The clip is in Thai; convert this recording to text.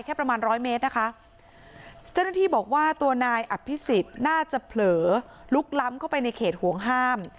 ประมาณร้อยเมตรนะคะเจ้าหน้าที่บอกว่าตัวนายอภิษฎน่าจะเผลอลุกล้ำเข้าไปในเขตห่วงห้าม